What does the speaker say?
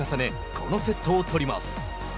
このセットを取ります。